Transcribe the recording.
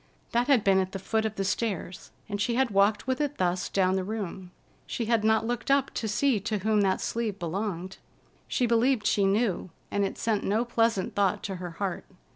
That had been at the foot of the stairs, and she had walked with it thus down the room. She had not looked up to see to whom that sleeve belonged. She believed she knew, and it sent no pleasant thought to her heart.